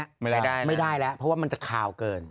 ไม่ได้ไม่ได้แล้วเพราะว่ามันจะคาวเกิน